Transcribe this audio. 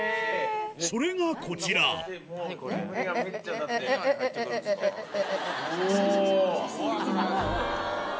それがこちらおぉ！